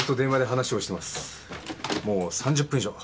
もう３０分以上。